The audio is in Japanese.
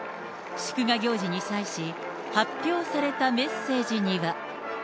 祝賀行事に際し、発表されたメッセージには。